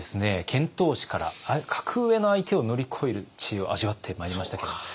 遣唐使から格上の相手を乗り越える知恵を味わってまいりましたけれども。